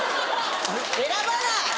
選ばない！